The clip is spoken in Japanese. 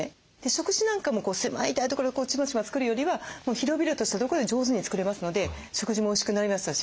食事なんかも狭い台所でチマチマ作るよりはもう広々としたとこで上手に作れますので食事もおいしくなりましたし